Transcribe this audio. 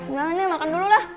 jangan nih makan dulu lah